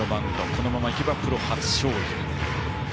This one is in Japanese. このままいけばプロ初勝利。